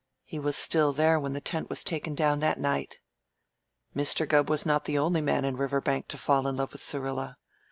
He was still there when the tent was taken down that night. Mr. Gubb was not the only man in Riverbank to fall in love with Syrilla.